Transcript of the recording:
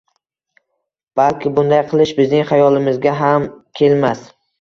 Balki bunday qilish bizning xayolimizga ham kelmas.